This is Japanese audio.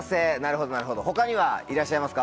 他にはいらっしゃいますか？